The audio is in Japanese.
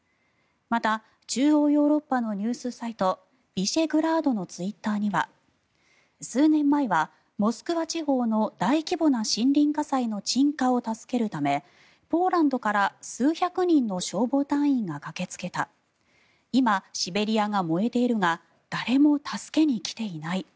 また、中央ヨーロッパのニュースサイトヴィシェグラードのツイッターには数年前はモスクワ地方の大規模な森林火災の鎮火を助けるためポーランドから数百人の消防隊員が駆けつけた今、シベリアが燃えているが誰も助けに来ていない。